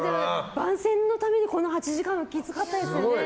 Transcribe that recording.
番宣のために８時間もきつかったですよね。